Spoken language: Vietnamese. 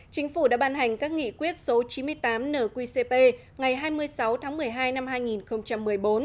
chính phủ đã ban hành các nghị quyết số chín mươi tám nqcp ngày hai mươi sáu tháng một mươi hai năm hai nghìn một mươi bốn